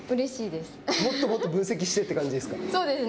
もっともっと分析してってそうですね